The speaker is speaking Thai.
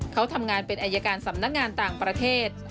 เขาทำงานเป็นอายการสำนักงานต่างประเทศ